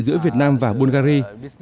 giữa việt nam và bulgari